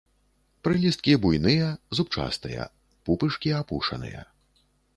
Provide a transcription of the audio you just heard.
Прылісткі буйныя, зубчастыя, пупышкі апушаныя.